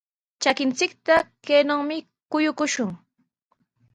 Trakinchikta kaynaw kuyuchishun.